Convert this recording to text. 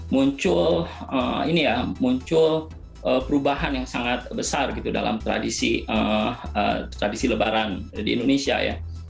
muncul perubahan yang sangat besar gitu dalam tradisi lebaran di indonesia ya